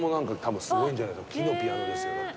木のピアノですよだって。